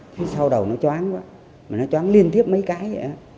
phía sau đầu nó choáng quá mà nó choáng liên tiếp mấy cái